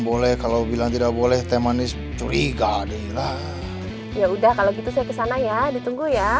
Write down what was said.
boleh kalau bilang tidak boleh temanis curiga deh lah ya udah kalau gitu saya kesana ya ditunggu ya